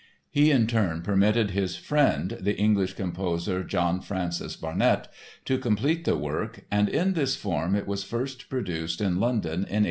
He, in turn, permitted his friend, the English composer, John Francis Barnett, to complete the work and in this form it was first produced in London, in 1883.